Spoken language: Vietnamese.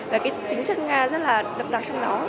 và cái tính chất nga rất là đậm đặc trong nó